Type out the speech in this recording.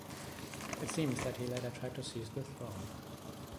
It seems that he later tried to seize the throne.